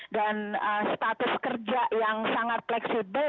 dan status kerja yang sangat fleksibel